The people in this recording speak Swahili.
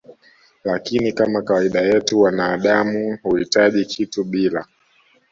lakini Kama kawaida yetu wanaadamu huhitaji kitu bila